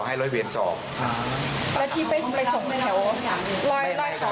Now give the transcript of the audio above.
ให้ร้อยเวียนสอบแล้วที่ไปไปส่งแถวร้อยร้อยสอบเป็นทัศน์อะไร